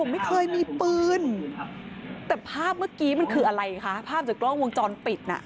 ไม่เคยมีปืนแต่ภาพเมื่อกี้มันคืออะไรคะภาพจากกล้องวงจรปิดน่ะ